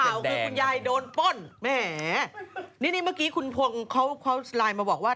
คือขาวคือคุณยายโดนปล้นแหม่นี่เมื่อกี้คุณพ่อเขาไลน์มาบอกว่า